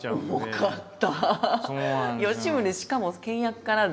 重かった！